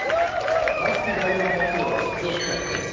毎月第４木曜は出張企画です。